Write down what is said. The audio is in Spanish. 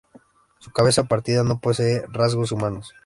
Su cabeza, partida, no posee rasgos humanos.